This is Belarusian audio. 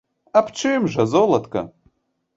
Аб чым жа, золатка?